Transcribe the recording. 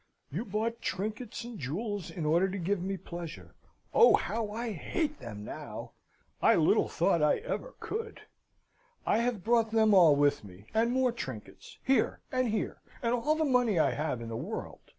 "You bought trinkets and jewels in order to give me pleasure. Oh, how I hate them now! I little thought I ever could! I have brought them all with me, and more trinkets here! and here! and all the money I have in the world!"